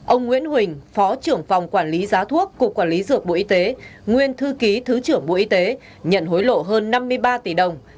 ông nguyễn huỳnh phó trưởng phòng quản lý giá thuốc cục quản lý dược bộ y tế nguyên thư ký thứ trưởng bộ y tế nhận hối lộ hơn năm mươi ba tỷ đồng